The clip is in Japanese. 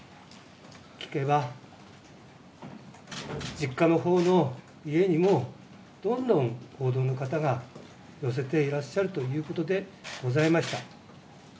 聞けば、実家のほうの家にも、どんどん報道の方が寄せていらっしゃるということでございました。